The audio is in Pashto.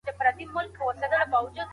ژوند یو ځل وي.